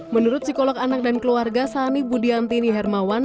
menurut psikolog anak dan keluarga sani budiantini hermawan